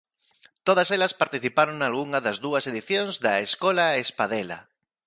Todas elas participaron nalgunha das dúas edicións da Escola Espadela.